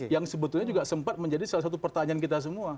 yang sebetulnya juga sempat menjadi salah satu pertanyaan kita semua